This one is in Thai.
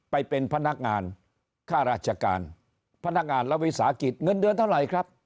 ไปเป็นพนักงานค่าราชการพนักงานและวิสาหกิจเงินเดือนเท่าไหร่ครับ